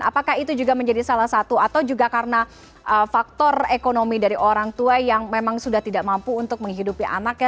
apakah itu juga menjadi salah satu atau juga karena faktor ekonomi dari orang tua yang memang sudah tidak mampu untuk menghidupi anaknya